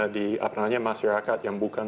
di masyarakat yang bukan